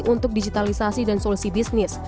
untuk digitalisasi dan solusi bisnis